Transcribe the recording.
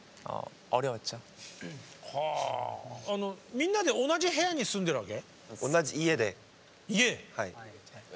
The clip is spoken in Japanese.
みんなで同じ部屋に住んでるわけ？